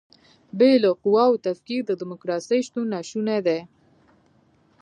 بې له قواوو تفکیک د دیموکراسۍ شتون ناشونی دی.